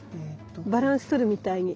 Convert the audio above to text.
バランス取るみたいに。